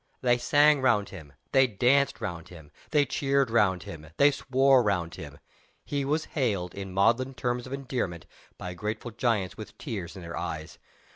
They sang round him, they danced round him, they cheered round him, they swore round him. He was hailed, in maudlin terms of endearment, by grateful giants with tears in their eyes.